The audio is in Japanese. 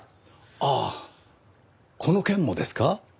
ああこの件もですか？